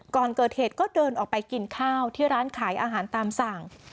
ก่อนเกิดเหตุก็เดินออกไปกินข้าวที่ร้านขายอาหารตามสั่ง